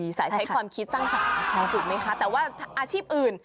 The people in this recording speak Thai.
สายใช้ความคิดสร้างสรรค์ถูกไหมคะแต่ว่าอาชีพอื่น